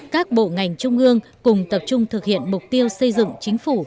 các bộ ngành trung ương cùng tập trung thực hiện mục tiêu xây dựng chính phủ